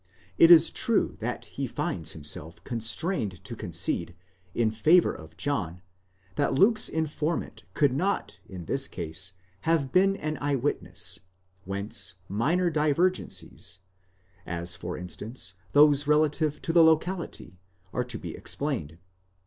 It is true that he finds himself constrained to concede, in favour of John, that Luke's informant could not in this case have been an eyewitness ; whence minor divergencies, as for instance those relative to the locality, are to be explained.